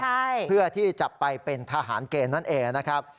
ใช่เพื่อที่จะไปเป็นทหารเกณฑ์นั่นเองนะครับ